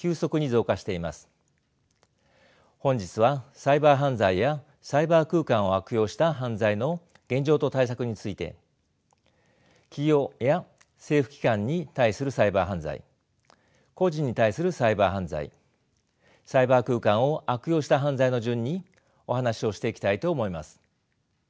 本日はサイバー犯罪やサイバー空間を悪用した犯罪の現状と対策について企業や政府機関に対するサイバー犯罪個人に対するサイバー犯罪サイバー空間を悪用した犯罪の順にお話をしていきたいと思います。